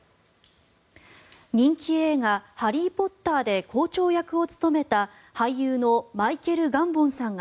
人気映画「ハリー・ポッター」で校長役を務めた俳優のマイケル・ガンボンさんが